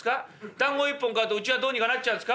団子１本買うとうちはどうにかなっちゃうんすか？